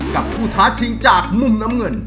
กับผู้ท้าชิงจากมุมน้ำเงิน